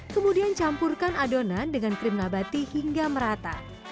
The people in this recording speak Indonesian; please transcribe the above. kemudian campurkan adonan dengan krim nabati hingga merata